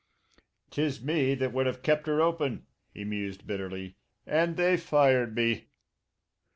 "Tis me that would have kept 'er open," he mused bitterly. "And they fired me!"